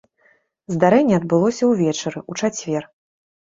Здарэнне адбылося ўвечары ў чацвер.